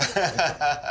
ハハハハ！